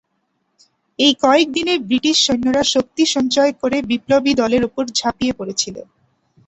এই কয়েক দিনে ব্রিটিশ সৈন্যরা শক্তি সঞ্চয় করে বিপ্লবী দলের ওপর ঝাঁপিয়ে পড়েছিল।